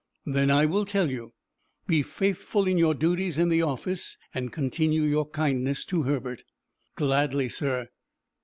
"Then I will tell you be faithful in your duties in the office and continue your kindness to Herbert." "Gladly, sir."